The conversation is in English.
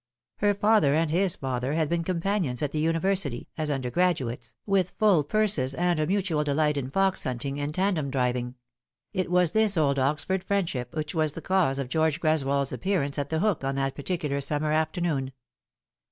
Her father and his father had been companions at the University, as undergraduates, with full purses and a mutual delight in fox hunting and tandem driving ; and it was this old Oxford friendship which was the cause of George Greswold's appearance at The Hook on that particular summer afternoon.